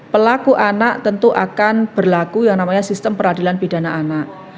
pelaku anak tentu akan berlaku yang namanya sistem peradilan pidana anak